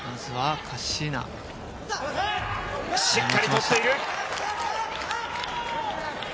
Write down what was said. しっかり取っている。